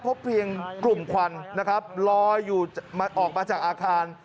พบเพียงกลุ่มควันนะครับลอยอยู่ออกมาจากอาคาร